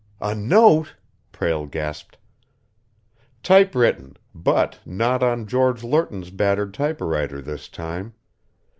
"A note!" Prale gasped. "Typewritten, but not on George Lerton's battered typewriter this time.